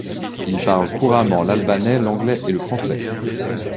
Il parle couramment l'albanais, l'anglais et le français.